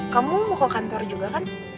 kamu mau ke kantor juga kan